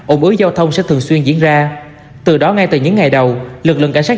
ủng ứ giao thông sẽ thường xuyên diễn ra từ đó ngay từ những ngày đầu lực lượng cảnh sát